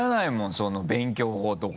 その勉強法とか。